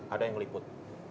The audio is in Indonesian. ada yang meliput